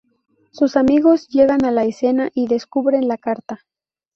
Sus amigos llegan a la escena y descubren la carta.